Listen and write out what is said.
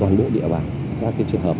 hoàn đủ địa bản